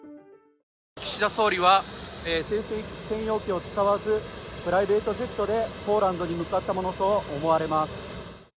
岸田総理は政府専用機を使わず、プライベートジェットでポーランドに向かったものと思われます。